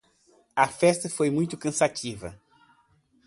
A festa foi muito cansativa.